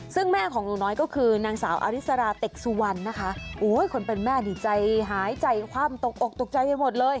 ซึ่งแม่ของหนูน้อยก็คือนางสาวอริสราเต็กสุวรรณนะคะโอ้ยคนเป็นแม่นี่ใจหายใจคว่ำตกอกตกใจไปหมดเลย